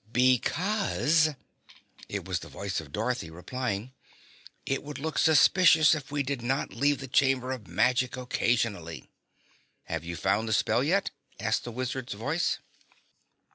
"Because," it was the voice of Dorothy replying, "it would look suspicious if we did not leave the Chamber of Magic occasionally." "Have you found the spell yet?" asked the Wizard's voice.